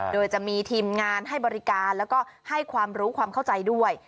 โดยจะมีทีมงานให้บริการแล้วก็ให้ความรู้ความเข้าใจด้วย